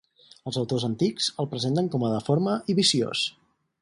Els autors antics el presenten com a deforme i viciós.